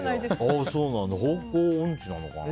方向音痴なのかな。